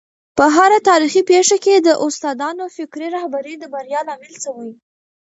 په هره تاریخي پېښه کي د استادانو فکري رهبري د بریا لامل سوی.